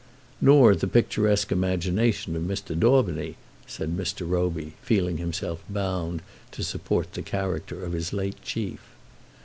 "Nor the picturesque imagination of Mr. Daubeny," said Mr. Roby, feeling himself bound to support the character of his late chief.